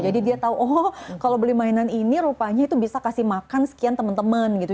jadi dia tau oh kalau beli mainan ini rupanya itu bisa kasih makan sekian temen temen gitu